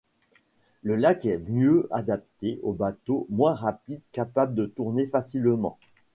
Le lac est mieux adapté aux bateaux moins rapides capable de tourner facilement.